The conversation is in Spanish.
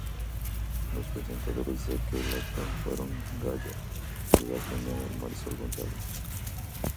Los presentadores de aquel acto fueron Gallo, Pilar Cañada y Marisol González.